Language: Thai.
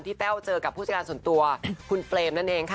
แต้วเจอกับผู้จัดการส่วนตัวคุณเปรมนั่นเองค่ะ